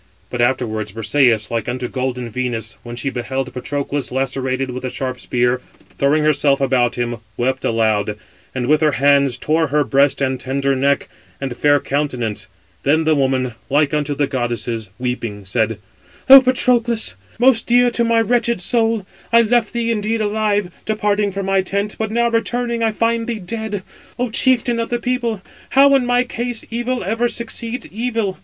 But afterwards Briseïs, like unto golden Venus, when she beheld Patroclus lacerated with the sharp spear, throwing herself about him, wept aloud, and with her hands tore her breast and tender neck, and fair countenance. 635 Then the woman, like unto the goddesses, weeping, said: "O Patroclus! most dear to my wretched soul, I left thee indeed alive, departing from my tent, but now returning, I find thee dead, O chieftain of the people! How in my case evil ever succeeds evil.